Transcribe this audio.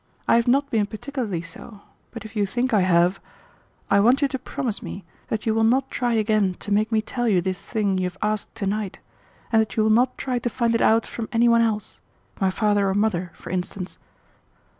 I have not been particularly so, but if you think I have, I want you to promise me that you will not try again to make me tell you this thing you have asked to night, and that you will not try to find it out from any one else, my father or mother, for instance."